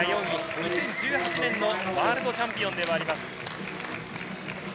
２０１８年のワールドチャンピオンでもあります。